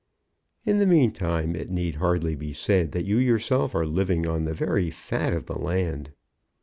In the meantime it need hardly be said that you yourself are living on the very fat of the land.